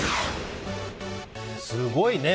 すごいね。